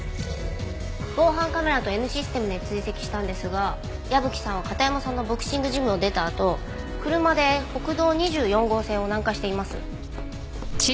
防犯カメラとＮシステムで追跡したんですが矢吹さんは片山さんのボクシングジムを出たあと車で国道２４号線を南下しています。